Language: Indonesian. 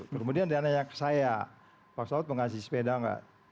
kemudian dia nanya ke saya pak saud mengasih sepeda nggak